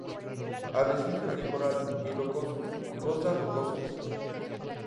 Arrecifes de coral y rocosos, costas rocosas.